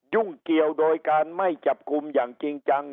ยุ่งเกี่ยวโดยการไม่จับกลุ่มอย่างจริงจัง